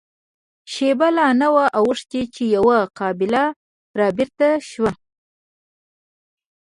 شېبه لا نه وه اوښتې چې يوه قابله را بېرته شوه.